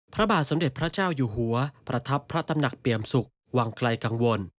พระบาทสมเด็จพระเจ้าอยู่หัวประทับพระตำหนักเปี่ยมสุขวังไกลกังวล